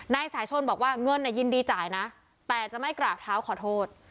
นายสายชนบอกว่าเงินยินดีจ่ายนะแต่จะไม่กราบเท้าขอโทษ